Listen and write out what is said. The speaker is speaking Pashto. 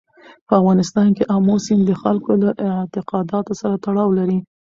په افغانستان کې آمو سیند د خلکو له اعتقاداتو سره تړاو لري.